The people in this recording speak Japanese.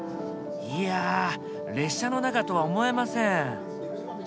いや列車の中とは思えません。